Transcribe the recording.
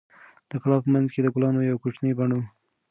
د کلا په منځ کې د ګلانو یو کوچنی بڼ و.